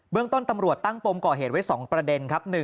เรื่องต้นตำรวจตั้งปมก่อเหตุไว้๒ประเด็นครับ